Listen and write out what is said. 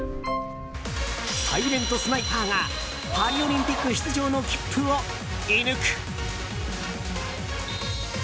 サイレントスナイパーがパリオリンピック出場の切符を射抜く！